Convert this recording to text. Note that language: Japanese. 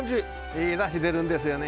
いいダシ出るんですよね。